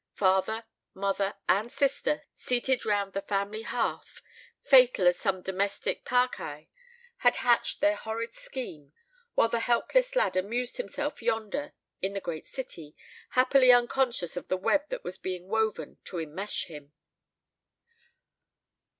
Father, mother, and sister, seated round the family hearth, fatal as some domestic Parcæ, had hatched their horrid scheme, while the helpless lad amused himself yonder in the great city, happily unconscious of the web that was being woven to enmesh him.